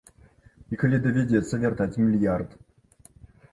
І калі давядзецца вяртаць мільярд?